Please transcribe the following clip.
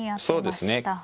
そうですね。